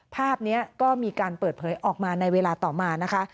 ภาพนี้ก็มีการเปิดเผยออกมาในเวลาต่อมานะคะ